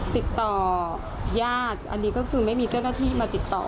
ติดต่อยาดอันนี้ก็คือไม่มีเจ้าหน้าที่มาติดต่อ